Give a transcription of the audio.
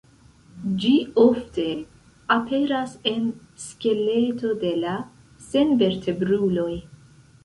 Ĝi ofte aperas en skeleto de la senvertebruloj.